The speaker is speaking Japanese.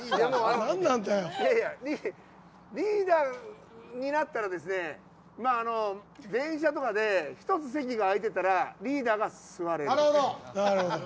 リーダーになったら電車とかで１つ席が空いてたらリーダーが座れる。